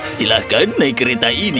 silahkan naik kereta ini